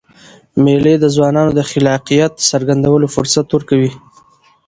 مېلې د ځوانانو د خلاقیت څرګندولو فرصت ورکوي.